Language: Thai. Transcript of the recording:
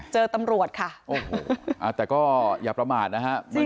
เจอตำรวจค่ะโอ้โหแต่ก็อย่าประมาทนะฮะ